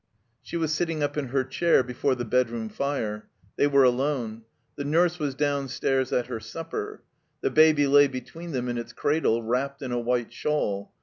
She was sitting up in her chair before the bedroom fire. They were alone. The nurse was downstairs at her supper. The Baby lay between them in its cradle, wrapped in a white shawl.